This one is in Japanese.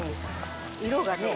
色がね。